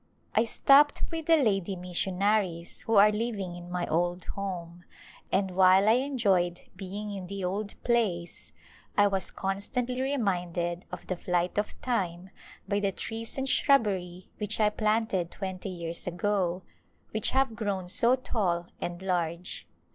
I stopped with the lady mission aries who are living in my old home, and while I en joyed being in the old place I was constantly reminded of the flight of time by the trees and shrubbery which I planted twenty years ago, which have grown so tall and large.